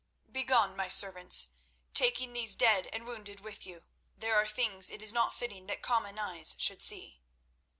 Begone, my servants, taking these dead and wounded with you. There are things it is not fitting that common eyes should see."